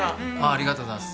ありがとうございます。